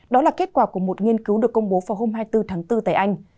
đó là kết quả của một nghiên cứu được công bố vào hôm hai mươi bốn tháng bốn tại anh